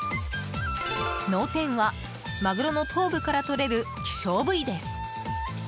脳天はマグロの頭部からとれる希少部位です。